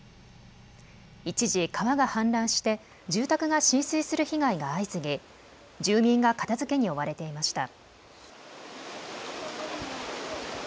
一時、川が氾濫して住宅が浸水する被害が相次ぎ住民が片づけに追われていました。